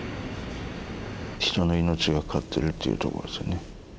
人の命がかかってるっていうとこですね。